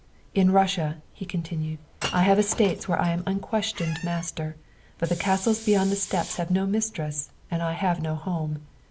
" In Russia," he continued, " I have estates where I am unquestioned master, but the castles beyond the steppes have no mistress and I have no home.